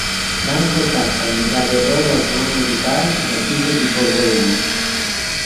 Franco Cappa, medaglia d'oro al valor militare, nativo di Bovolone.